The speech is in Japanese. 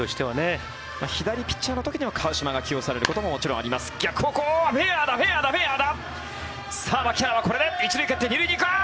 左ピッチャーの時には川島が起用されることももちろんあります。